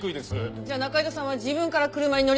じゃあ仲井戸さんは自分から車に乗り込んだって事？